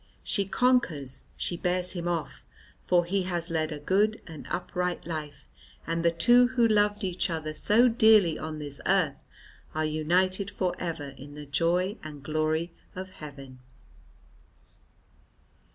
she conquers, she bears him off, for he has led a good and upright life, and the two who loved each other so dearly on this earth are united for ever in the joy and glory of heaven."